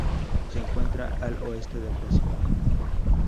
Se encuentra al oeste del Pacífico.